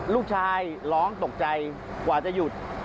ลูกชายร้องตกใจกว่าจะหยุด